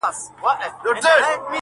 دا دعوه حقيقت نلري